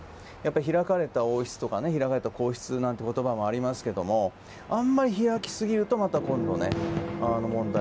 開かれた王室とか開かれた皇室なんて言葉もありますがあんまり開きすぎるとまた今度、問題。